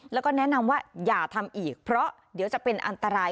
แล้วก็แนะนำว่าอย่าทำอีกเพราะเดี๋ยวจะเป็นอันตราย